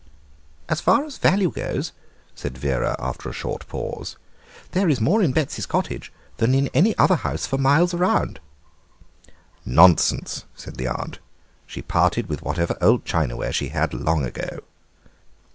"As far as value goes," said Vera after a short pause, "there is more in Betsy's cottage than in any other house for miles round." "Nonsense," said the aunt; "she parted with whatever old china ware she had long ago."